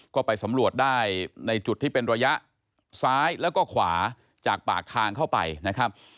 ก็ไปสำรวจได้ในจุดที่เป็นระยะซ้ายแล้วก็ขวาจากปากทางเข้าไปนะครับ